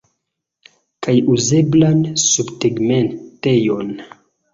Kaj uzeblan subtegmentejon.